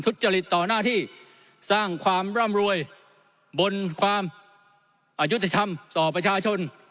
ทุจริตต่อหน้าที่สร้างความร่ำรวยบนความอายุติธรรมต่อประชาชน